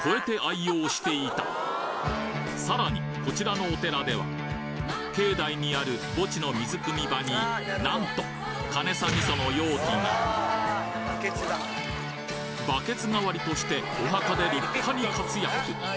さらにこちらのお寺では境内にある墓地の水汲み場になんとかねさ味噌の容器がバケツがわりとしてお墓で立派に活躍！